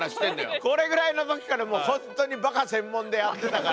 これぐらいの時から本当にバカ専門でやってたから。